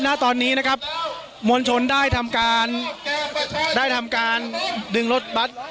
ณตอนนี้นะครับมวลชนได้ทำการได้ทำการดึงรถบัตร